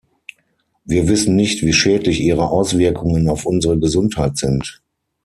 Wir wissen nicht, wie schädlich ihre Auswirkungen auf unsere Gesundheit sind.